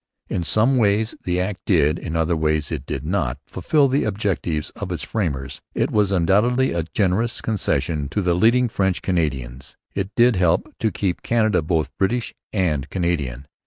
In some ways the Act did, in other ways it did not, fulfil the objects of its framers. It was undoubtedly a generous concession to the leading French Canadians. It did help to keep Canada both British and Canadian.